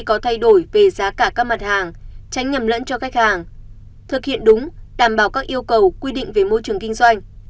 cho khách hàng thực hiện đúng đảm bảo các yêu cầu quy định về môi trường kinh doanh